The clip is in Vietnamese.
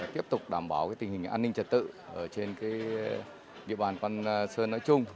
tiếp tục đảm bảo cái tình hình an ninh trật tự ở trên cái địa bàn văn sơn nói chung